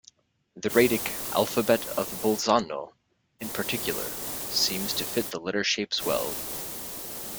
The Raetic "alphabet of Bolzano" in particular seems to fit the letter shapes well.